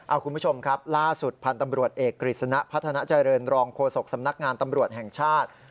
คุณผู้ชมครับล่าสุดพันธ์ตำรวจเอกกฤษณะพัฒนาเจริญรองโฆษกสำนักงานตำรวจแห่งชาติ